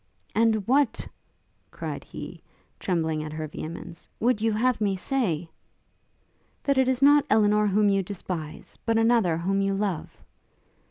'And what,' cried he, trembling at her vehemence, 'would you have me say?' 'That it is not Elinor whom you despise but another whom you love.'